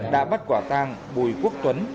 đã bắt quả tàng bùi quốc tuấn